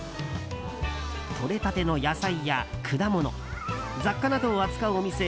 採れたての野菜や果物雑貨などを扱うお店